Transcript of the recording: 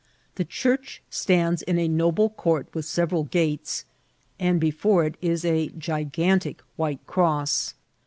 The church stands in a noble court with several gates, and before it is a gi« gantic white cross.